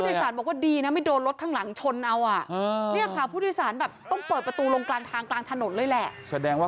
ผู้โดยสารบอกว่าดีไม่โดนรถข้างหลังชนเอา